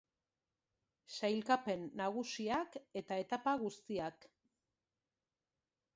Sailkapen nagusiak eta etapa guztiak.